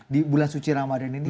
di bulan suci ramadhan ini